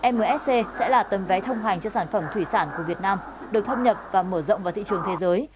msc sẽ là tấm vé thông hành cho sản phẩm thủy sản của việt nam được thâm nhập và mở rộng vào thị trường thế giới